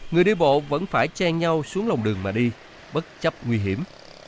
người đi bộ vẫn phải chen nhau xuống lòng đường mà đi bất chấp nguy hiểm